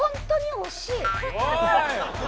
惜しい！